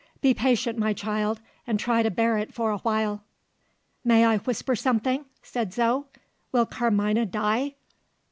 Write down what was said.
Be patient, my child, and try to bear it for a while." "May I whisper something?" said Zo. "Will Carmina die?"